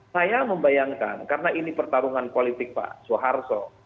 saya membayangkan karena ini pertarungan politik pak soeharto